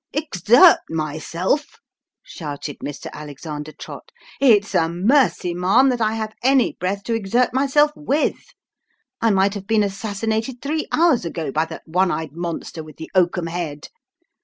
"Exert myself!" shouted Mr. Alexander Trott, "it's a mercy, ma'am, that I have any breath to exert myself with ! I might have been assassinated three hours ago by that one eyed monster with the oakum head.